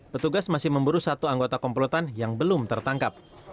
petugas masih memburu satu anggota komplotan yang belum tertangkap